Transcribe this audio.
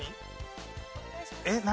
えっ？何？